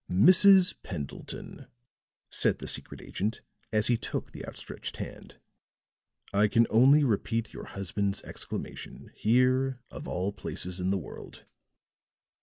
"Mrs. Pendleton," said the secret agent, as he took the outstretched hand, "I can only repeat your husband's exclamation, 'Here, of all places in the world.'"